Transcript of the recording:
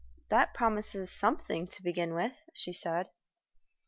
"That promises something to begin with," she said.